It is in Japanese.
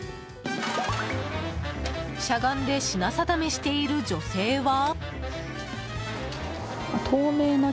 しゃがんで品定めしている女性は？